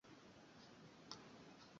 Soma era okwate ebiwandikidwa mukitabo ekyo.